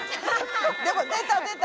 でも出た出た。